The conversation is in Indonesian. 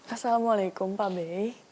assalamualaikum pak be